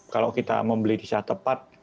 kalau kita membeli di saat tepat